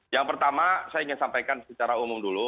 yang pertama saya ingin sampaikan secara umum dulu